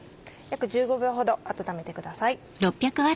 約１５秒ほど温めてください。